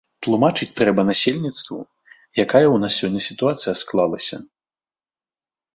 Тлумачыць трэба насельніцтву, якая ў нас сёння сітуацыя склалася.